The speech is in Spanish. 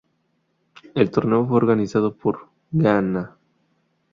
El torneo fue organizado por Ghana.